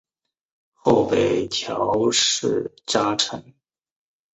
后北条氏家臣。